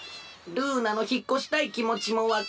ルーナのひっこしたいきもちもわかる。